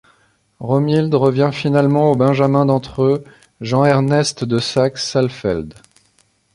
Römhild revient finalement au benjamin d'entre eux, Jean-Ernest de Saxe-Saalfeld.